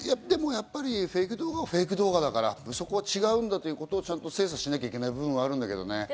でもやっぱりフェイク動画はフェイク動画だから、そこは違うんだということを精査しなきゃいけない部分はあるけどね。